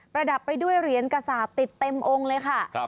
ระดับไปด้วยเหรียญกษาปติดเต็มองค์เลยค่ะ